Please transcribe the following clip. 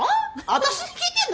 私に聞いてんの？